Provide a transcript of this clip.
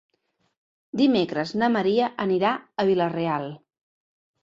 Dimecres na Maria anirà a Vila-real.